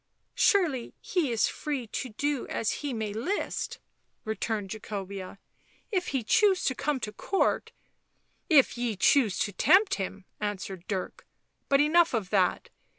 " Surely he is free to do as he may list," returned Jacobea. " If he choose to come to Court. ..."" If ye choose to tempt him," answered Dirk. " But enough of that."